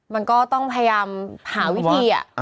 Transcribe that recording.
มันก็ต้องพยายามหาวิธี